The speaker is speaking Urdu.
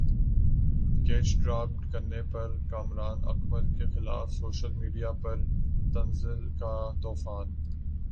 کیچ ڈراپ کرنے پر کامران اکمل کیخلاف سوشل میڈیا پر طنز کا طوفان